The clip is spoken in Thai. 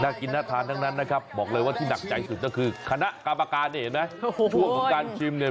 กินน่าทานทั้งนั้นนะครับบอกเลยว่าที่หนักใจสุดก็คือคณะกรรมการนี่เห็นไหมช่วงของการชิมเนี่ย